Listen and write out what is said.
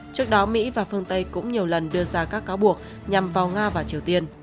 trước đó mỹ và phương tây cũng nhiều lần đưa ra các cáo buộc nhằm vào nga và triều tiên